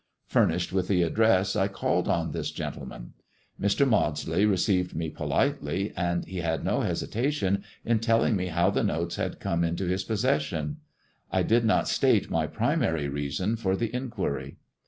Furnished with the address, I called on this gentleman. Mr. Maudsley received me politely, and he had no hesitation in telling me how the notes had come THE QREEH STONE GOD AND THE STOCKBROKER 261 iuto his possession. I did aot state my primary reason for the inquiry.